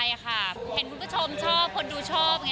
ไม่ทราบค่ะเราเป็นนักแสดง